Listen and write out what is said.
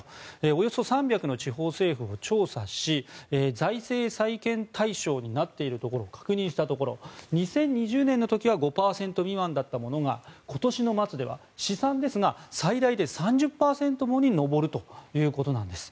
およそ３００の地方政府を調査し財政再建対象になっているところを確認したところ２０２０年の時は５％未満だったものが今年の末では試算ですが最大で３０％にも上るということなんです。